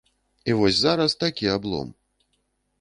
І вось зараз такі аблом.